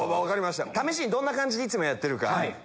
試しにどんな感じにやってるか。